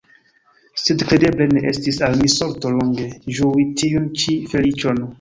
Sed kredeble ne estis al mi sorto longe ĝui tiun ĉi feliĉon.